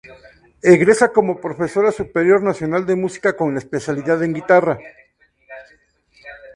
Egresa como Profesora Superior Nacional de música con especialidad en guitarra.